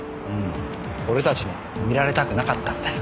俺たちに見られたくなかったんだよ。